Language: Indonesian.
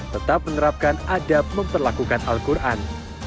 tetap menerapkan adab memperlakukan al quran